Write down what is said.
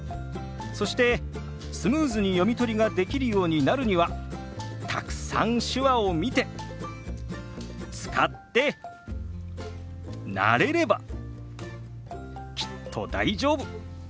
そしてスムーズに読み取りができるようになるにはたくさん手話を見て使って慣れればきっと大丈夫。